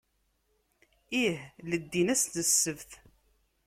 Ih, leddin ass n ssebt.